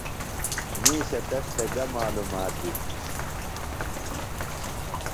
مِیشہ تس تھےۡ گہ معلومات دِتیۡ؟